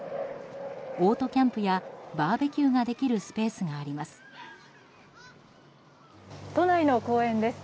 オートキャンプやバーベキューができるスペースがあります。